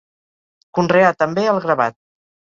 Conreà també el gravat.